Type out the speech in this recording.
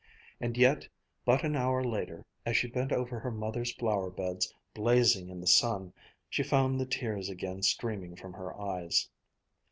And yet but an hour later, as she bent over her mother's flower beds blazing in the sun, she found the tears again streaming from her eyes.